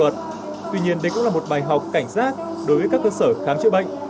tuy nhiên đây cũng là một bài học cảnh giác đối với các cơ sở khám chữa bệnh